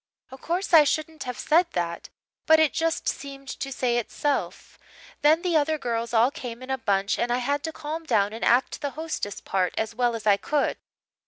"Oh course, I shouldn't have said that. But it just seemed to say itself. Then the other girls all came in a bunch and I had to calm down and act the hostess' part as well as I could.